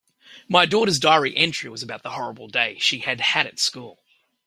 My daughter's diary entry was about the horrible day she had had at school.